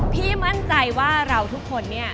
พี่มั่นใจว่าเราทุกคนเนี่ย